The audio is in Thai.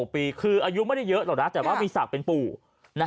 ปีคืออายุไม่ได้เยอะหรอกนะแต่ว่ามีศักดิ์เป็นปู่